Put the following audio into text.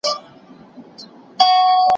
څوک د شیکسپیر لاسلیک موندلی سی؟